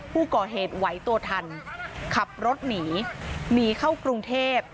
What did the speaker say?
ผู้ก่อเหตุไหวตัวทันขับรถหนีหนีเข้ากรุงเทพ